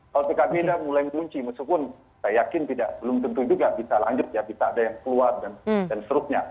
kalau pkb mulai mengunci meskipun saya yakin belum tentu juga bisa lanjut ya bisa ada yang keluar dan seterusnya